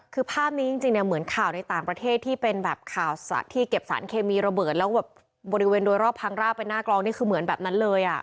คือภาพนี้จริงเนี่ยเหมือนข่าวในต่างประเทศที่เป็นแบบข่าวที่เก็บสารเคมีระเบิดแล้วแบบบริเวณโดยรอบพังราบเป็นหน้ากลองนี่คือเหมือนแบบนั้นเลย